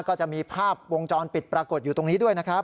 ก็จะมีภาพวงจรปิดปรากฏอยู่ตรงนี้ด้วยนะครับ